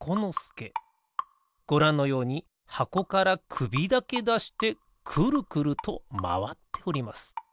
ごらんのようにはこからくびだけだしてくるくるとまわっております。